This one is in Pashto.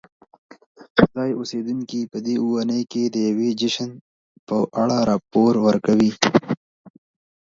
ځایی اوسیدونکي په دې اونۍ کې د یوې جشن په اړه راپور ورکوي.